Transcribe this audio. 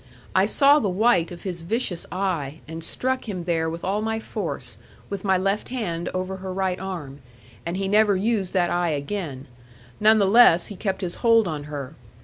I saw the white of his vicious eye, and struck him there with all my force, with my left hand over her right arm, and he never used that eye again; none the less he kept his hold on her.